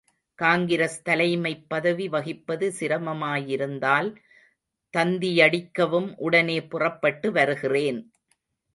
காங்கிரஸ் தலைமைப் பதவி வகிப்பது சிரமமாயிருந்தால் தந்தியடிக்கவும் உடனே புறப்பட்டு வருகிறேன்!